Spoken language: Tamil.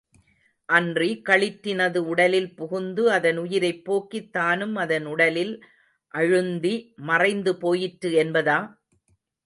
அன்றி களிற்றினது உடலில் புகுந்து அதன் உயிரைப் போக்கித் தானும் அதன் உடலில் அழுந்தி மறைந்துபோயிற்று என்பதா?